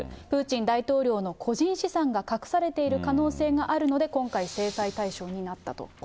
プーチン大統領の個人資産が隠されている可能性があるので、今回制裁対象になったと。